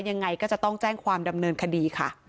ยังไงก็จะต้องแจ้งความดำเนินคดีค่ะ